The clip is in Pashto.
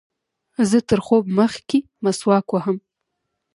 زه تر خوب مخکښي مسواک وهم.